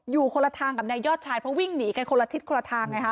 อยู่คนละทางกับนายยอดชายเพราะวิ่งหนีกันคนละทิศคนละทางไงฮะ